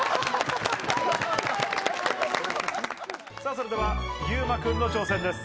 それではＹＵＭＡ君の挑戦です。